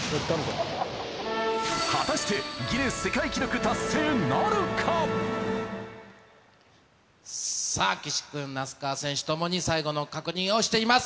果たして、ギネス世界記録達さあ、岸君、那須川選手ともに最後の確認をしています。